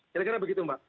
kira kira begitu mbak